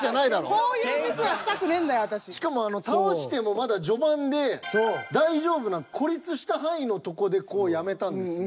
しかも倒してもまだ序盤で大丈夫な孤立した範囲のとこでこうやめたんですよ。